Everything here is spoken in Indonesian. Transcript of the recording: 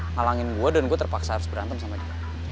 halangin gue dan gue terpaksa harus berantem sama dia